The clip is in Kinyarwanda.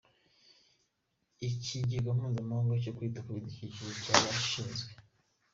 Ikigega mpuzamahanga cyo kwita ku bidukikije cyarashinzwe.